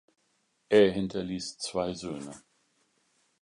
Er hinterließ zwei Söhne.